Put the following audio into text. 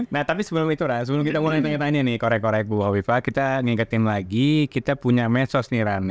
nah tapi sebelum itu sebelum kita mulai tanya tanya nih korek korek bu hovifah kita ngingetin lagi kita punya medsos nih rana